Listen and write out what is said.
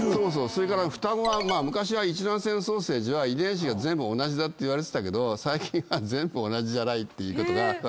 それから双子は昔は一卵性双生児は遺伝子が全部同じだっていわれてたけど最近は全部同じじゃないっていうことが分かってきてる。